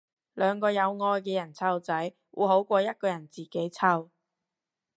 兩個有愛嘅人湊仔會好過一個人自己湊